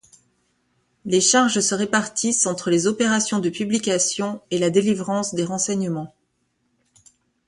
Les charges se répartissent entre les opérations de publications et la délivrance des renseignements.